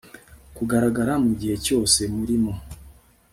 kugaragara mu gihe cyose muri mu